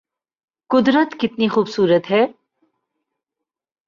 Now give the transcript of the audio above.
قدرت کتنی خوب صورت ہے